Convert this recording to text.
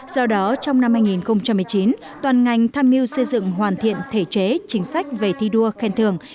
do đó trong năm hai nghìn một mươi chín toàn ngành tham mưu xây dựng hoàn thiện thể chế chính sách về thi đua khen thường